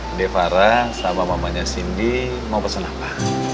ide farah sama mamanya cindy mau pesen apa